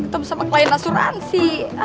ketemu sama klien asuransi